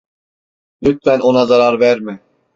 Lütfen ona zarar verme.